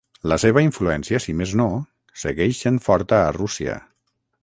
La seva influència, si més no, segueix sent forta a Rússia.